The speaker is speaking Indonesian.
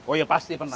oh ya pasti pernah